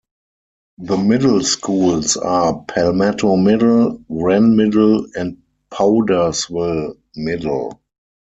The Middle schools are Palmetto Middle, Wren Middle, and Powdersville Middle.